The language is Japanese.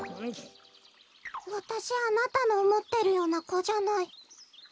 わたしあなたのおもってるようなこじゃない。